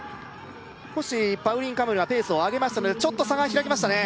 少しパウリン・カムルがペースを上げましたのでちょっと差が開きましたね